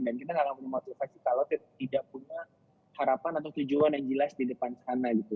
dan kita lakukan motivasi kalau tidak punya harapan atau tujuan yang jelas di depan sana gitu